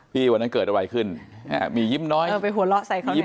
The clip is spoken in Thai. พี่วันนั้นเกิดอะไรขึ้นอ่ะมียิ้มน้อยเออไปหัวเลาะใส่เขาเนี่ย